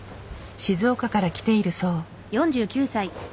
静岡から来ているそう。